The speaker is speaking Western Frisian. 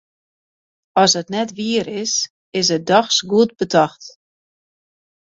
As it net wier is, is it dochs goed betocht.